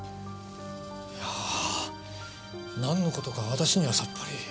いやぁなんの事か私にはさっぱり。